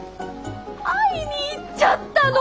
会いに行っちゃったの！